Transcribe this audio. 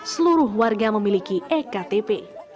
seluruh warga memiliki ektp